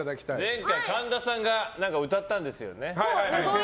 前回神田さんが歌ったんですよね。